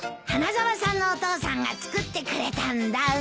花沢さんのお父さんが作ってくれたんだ。